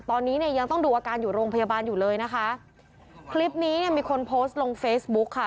ตอนนี้เนี่ยยังต้องดูอาการอยู่โรงพยาบาลอยู่เลยนะคะคลิปนี้เนี่ยมีคนโพสต์ลงเฟซบุ๊กค่ะ